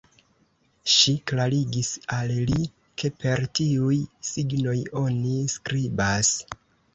Ŝi klarigis al li, ke per tiuj signoj oni skribas.